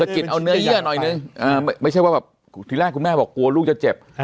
กิจเอาเนื้อเยื่อหน่อยนึงไม่ใช่ว่าแบบที่แรกคุณแม่บอกกลัวลูกจะเจ็บ